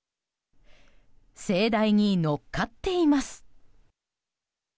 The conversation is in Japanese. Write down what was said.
盛大に乗っかっています。